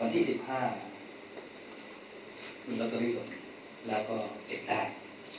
วันที่๑๕นรอตเตอรี่ลงแล้วก็เก็บได้